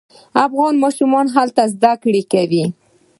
افغان ماشومان هلته زده کړې کوي.